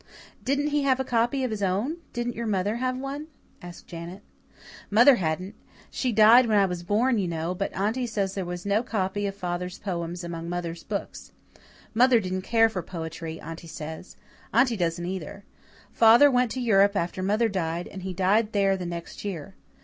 "Didn't he have a copy of his own didn't your mother have one?" asked Janet. "Mother hadn't. She died when I was born, you know, but Aunty says there was no copy of father's poems among mother's books. Mother didn't care for poetry, Aunty says Aunty doesn't either. Father went to Europe after mother died, and he died there the next year.